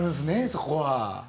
そこは。